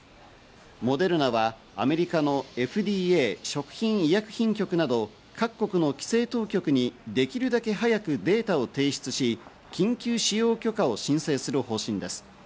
モデルナはアメリカのＦＤＡ＝食品医薬品局など、各国の規制当局にできるだけ早くデータを提出し、緊急使用許可を申請する方針です。